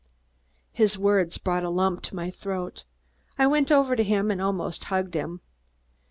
His words brought a lump to my throat. I went over to him and almost hugged him.